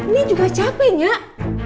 nih juga capek nyak